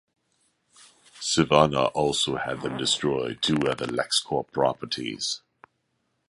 Sivana also had them destroy two other Lexcorp properties.